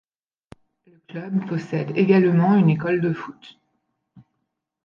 Le club possède également une école de foot.